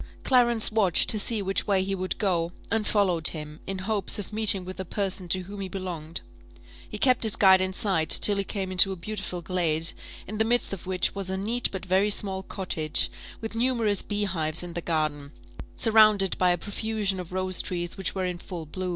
Clarence watched to see which way he would go, and followed him, in hopes of meeting with the person to whom he belonged: he kept his guide in sight, till he came into a beautiful glade, in the midst of which was a neat but very small cottage, with numerous beehives in the garden, surrounded by a profusion of rose trees which were in full blow.